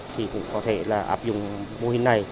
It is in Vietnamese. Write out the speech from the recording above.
thì cũng có thể là áp dụng mô hình này